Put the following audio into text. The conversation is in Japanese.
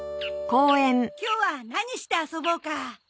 今日は何して遊ぼうか？